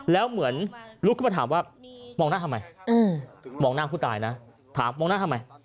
แล้วเหมือนลุกขึ้นมาถามว่ามองหน้าทำไมมองหน้าผู้ตายนะถามมองหน้าทำไม